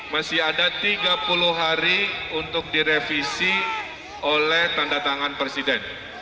masih ada tiga puluh hari untuk direvisi oleh tanda tangan presiden